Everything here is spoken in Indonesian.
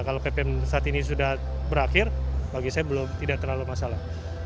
kalau ppm saat ini sudah berakhir bagi saya belum tidak terlalu masalah